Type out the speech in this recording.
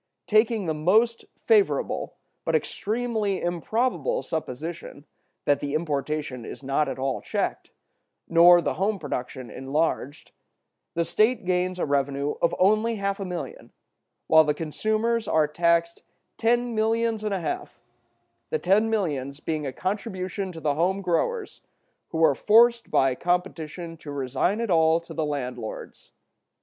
Taking the most favorable but extremely improbable supposition, that the importation is not at all checked, nor the home production enlarged, the state gains a revenue of only half a million, while the consumers are taxed ten millions and a half, the ten millions being a contribution to the home growers, who are forced by competition to resign it all to the landlords.